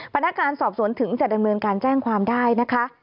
พนักงานสอบสวนถึงจะดำเนินการแจ้งความได้นะคะ